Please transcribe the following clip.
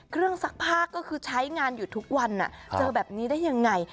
ซักผ้าก็คือใช้งานอยู่ทุกวันเจอแบบนี้ได้ยังไง